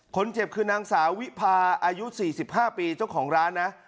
คนเจ็บคือนางสาววิพาอายุ๔๕ปีเจ้าของร้านนะ